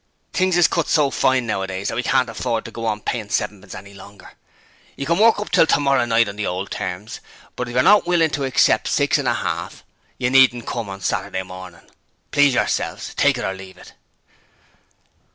Things is cut so fine nowadays that we can't afford to go on payin' sevenpence any longer. You can work up till tomorrow night on the old terms, but if you're not willin' to accept six and a half you needn't come on Saturday morning. Please yourselves. Take it or leave it.'